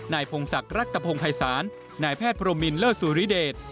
พงศักดิ์รัตภงภัยศาลนายแพทย์พรมมินเลิศสุริเดช